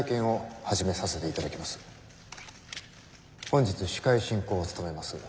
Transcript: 本日司会進行を務めます